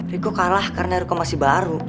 riku kalah karena riku masih baru